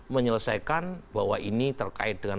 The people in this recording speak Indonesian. menyelesaikan bahwa ini terkait dengan